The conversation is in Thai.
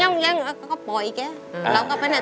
สวัสดีครับคุณหน่อย